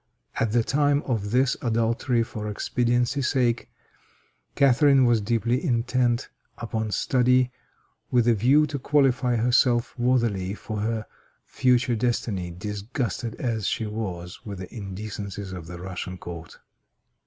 At the time of this adultery for expediency sake, Catharine was deeply intent upon study, with a view to qualify herself worthily for her future destiny, disgusted as she was with the indecencies of the Russian court!